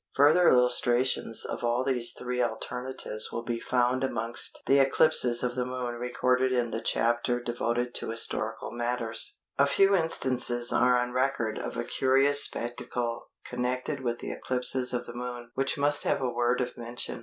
Further illustrations of all these three alternatives will be found amongst the eclipses of the Moon recorded in the chapter devoted to historical matters. A few instances are on record of a curious spectacle connected with eclipses of the Moon which must have a word of mention.